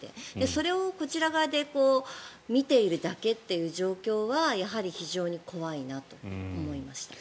それをこちら側で見ているだけという状況はやはり非常に怖いなと思いました。